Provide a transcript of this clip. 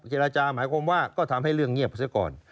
เจรจาหมายความว่าก็ทำให้เรื่องเงียบเสียก่อน